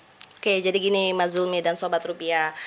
oke jadi gini mas zulmi dan sobat rupiah